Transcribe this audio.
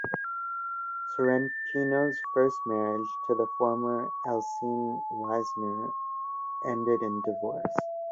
Sorrentino's first marriage, to the former Elsene Wiessner, ended in divorce.